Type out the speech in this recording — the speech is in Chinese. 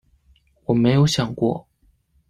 我没有想过